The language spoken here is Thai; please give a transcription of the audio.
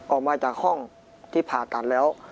ออกมาจากห้องที่ผ่าตัดแล้ว